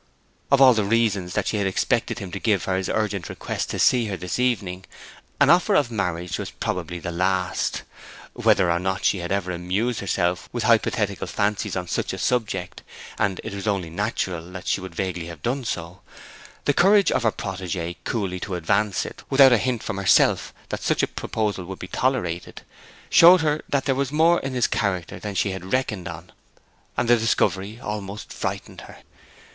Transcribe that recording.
Of all the reasons that she had expected him to give for his urgent request to see her this evening, an offer of marriage was probably the last. Whether or not she had ever amused herself with hypothetical fancies on such a subject, and it was only natural that she should vaguely have done so, the courage in her protégé coolly to advance it, without a hint from herself that such a proposal would be tolerated, showed her that there was more in his character than she had reckoned on: and the discovery almost frightened her.